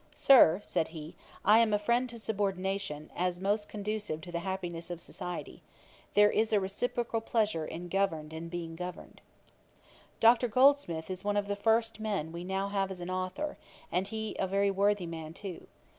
'Sir, (said he) I am a friend to subordination, as most conducive to the happiness of society. There is a reciprocal pleasure in governing and being governed.' 'Dr. Goldsmith is one of the first men we now have as an authour, and he is a very worthy man too.